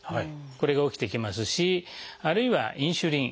これが起きてきますしあるいはインスリン